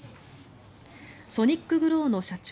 ソニックグロウの社長